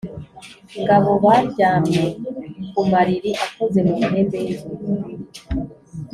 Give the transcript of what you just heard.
Ngabo baryamye ku mariri akoze mu mahembe y’inzovu,